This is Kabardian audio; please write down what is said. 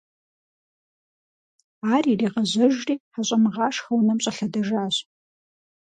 Ар иригъэжьэжри, ХьэщӀэмыгъашхэ унэм щӀэлъэдэжащ.